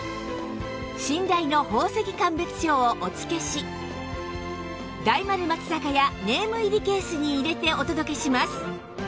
信頼の宝石鑑別書をお付けし大丸松坂屋ネーム入りケースに入れてお届けします